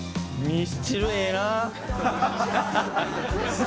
ミスチルええ。